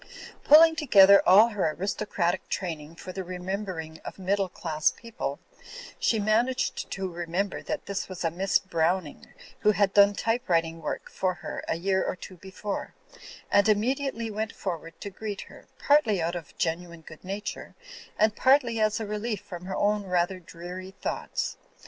Pulling together all her aris tocratic training for the remembering of middle class people, she managed to remember that this was a Miss Browning who had done typewriting work for her a year or two before ; and immediately went forward to greet her, partly out of genuine good nature and partly as a relief from her own rather dreary thoughts.